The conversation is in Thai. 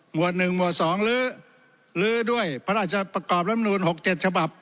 หมวด๑หมวด๒ลื้อลื้อด้วยพระราชประกอบรัฐมนุษย์๖๗ฉบับ